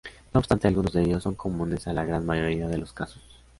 No obstante, algunos de ellos son comunes a la gran mayoría de los casos.